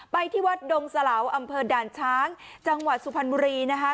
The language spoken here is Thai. ที่วัดดงสลาวอำเภอด่านช้างจังหวัดสุพรรณบุรีนะคะ